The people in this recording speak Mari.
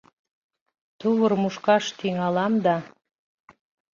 Тувыр мушкаш тӱҥалам да